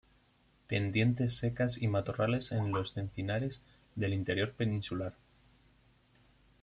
Pendientes secas y matorrales en los encinares del interior peninsular.